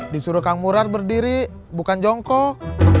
disuruh kang murar berdiri bukan jongkok